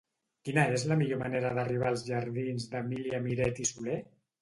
Quina és la millor manera d'arribar als jardins d'Emília Miret i Soler?